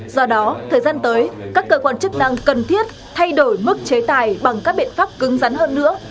do đó thời gian tới các cơ quan chức năng cần thiết thay đổi mức chế tài bằng các biện pháp cứng rắn hơn nữa